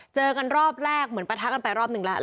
เจอกันรอบแรกเหมือนปะทะกันไปรอบหนึ่งแล้ว